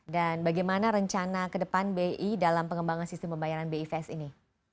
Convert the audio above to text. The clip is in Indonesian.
dan bagaimana rencana ke depan bi dalam pengembangan sistem pembayaran bi fas ini